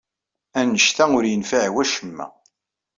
Anect-a ur yenfiɛ i wacemma.